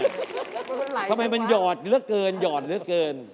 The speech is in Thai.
ทำไมมันหยอดเหลือเกินหยอดเหลือเกิน